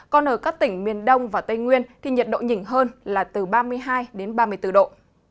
còn ở các tỉnh miền đông và tây nguyên thì nhiệt độ nhỉnh hơn là từ ba mươi hai đến ba mươi bốn độ